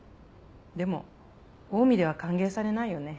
でもオウミでは歓迎されないよね。